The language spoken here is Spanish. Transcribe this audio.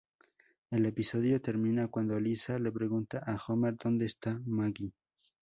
El episodio termina cuando Lisa le pregunta a Homer "¿Dónde está Maggie?